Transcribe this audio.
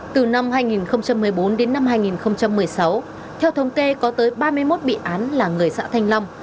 từ năm hai nghìn một mươi bốn đến năm hai nghìn một mươi sáu theo thống kê có tới ba mươi một bị án là người xã thanh long